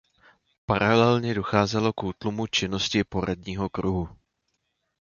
Paralelně docházelo k útlumu činnosti poradního kruhu.